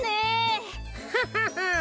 フフフン。